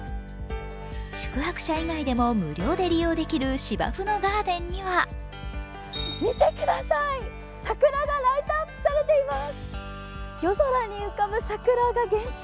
宿泊者以外でも無料で利用できる芝生のガーデンには見てください、桜がライトアップされています。